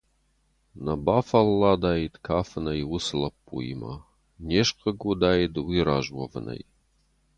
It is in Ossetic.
Нӕ бафӕлладаид кафынӕй уыцы лӕппуимӕ, не схъыг уыдаид уый раз уӕвынӕй.